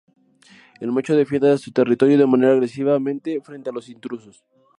El macho defiende su territorio de manera agresivamente frente a los intrusos.